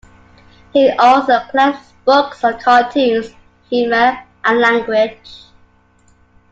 He also collects books on cartoons, humour, and language.